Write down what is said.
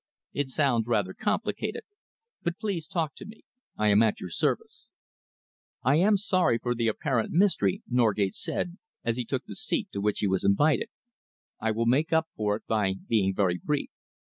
It sounds rather complicated, but please talk to me. I am at your service." "I am sorry for the apparent mystery," Norgate said, as he took the seat to which he was invited. "I will make up for it by being very brief.